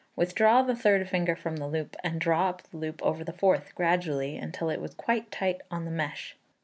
Withdraw the third finger from the loop, and draw up the loop over the fourth, gradually, until it is quite tight on the mesh.